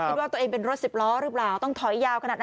คิดว่าตัวเองเป็นรถสิบล้อหรือเปล่าต้องถอยยาวขนาดนั้น